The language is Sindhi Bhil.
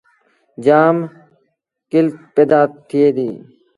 جآم ڪيٚلت پيدآ ٿئي ديٚ۔